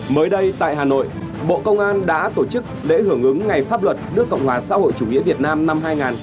mới đây tại hà nội bộ công an đã tổ chức lễ hưởng ứng ngày pháp luật nước cộng hòa xã hội chủ nghĩa việt nam năm hai nghìn hai mươi ba